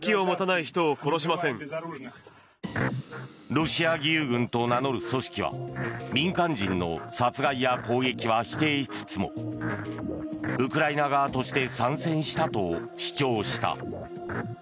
ロシア義勇軍と名乗る組織は民間人の殺害や攻撃は否定しつつもウクライナ側として参戦したと主張した。